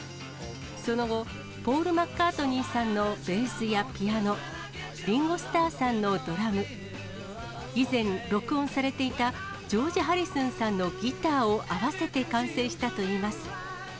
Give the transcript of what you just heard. その後、ポール・マッカートニーさんのベースやピアノ、リンゴ・スターさんのドラム、以前録音されていたジョージ・ハリスンさんのギターを合わせて完成したといいます。